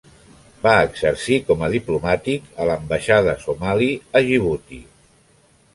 Va exercir com a diplomàtic a l'ambaixada somali a Djibouti.